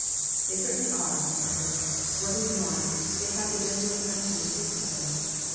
"They certainly are," I answered. "What is more, they have the genuine Antomir taste to them."